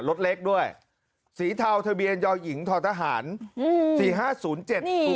รถเล็กด้วยสีเทาทะเบียนยอหญิงทอทหารอืมสี่ห้าศูนย์เจ็ดอู่